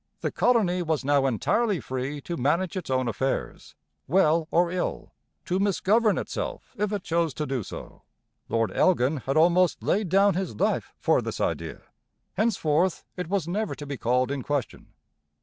The colony was now entirely free to manage its own affairs, well or ill, to misgovern itself if it chose to do so. Lord Elgin had almost laid down his life for this idea; henceforth it was never to be called in question.